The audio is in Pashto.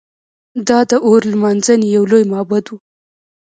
دا د اور لمانځنې یو لوی معبد و